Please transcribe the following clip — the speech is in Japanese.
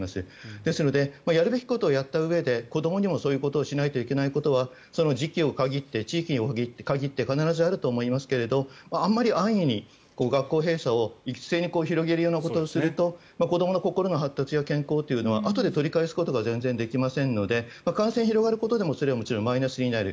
ですのでやるべきことをやったうえで子どもにもそういうことをしないといけないことは時期を限って、地域を限って必ずあると思いますがあまり安易に学校閉鎖を一斉に広げるようなことをすると子どもの心の発達や健康というのはあとで取り返すことが全然できませんので感染が広がることでももちろんマイナスになる。